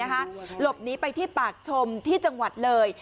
หลบหนีไปที่ปากชมที่จังหวัดเลย